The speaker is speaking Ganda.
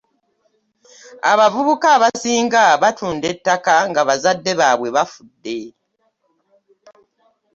Abavubuka abasinga batunda ettaka nga bazadde baabwe bafude.